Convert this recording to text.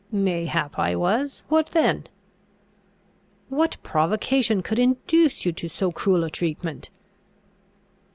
"Mayhap I was. What then?" "What provocation could induce you to so cruel a treatment?"